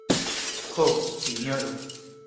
Ho, Sinjoro!